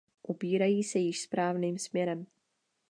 Ubírají se již správným směrem.